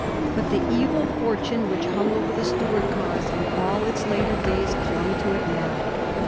But the evil fortune which hung over the Stuart cause in all its later days clung to it now.